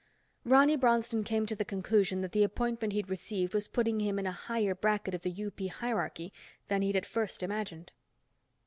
Ronny Bronston came to the conclusion that the appointment he'd received was putting him in a higher bracket of the UP hierarchy than he'd at first imagined.